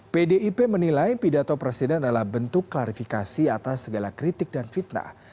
pdip menilai pidato presiden adalah bentuk klarifikasi atas segala kritik dan fitnah